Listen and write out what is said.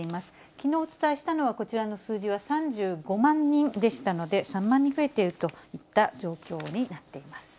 きのうお伝えしたのは、こちらの数字は３５万人でしたので、３万人増えているといった状況になっています。